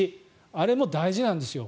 あれも大事なんですよ。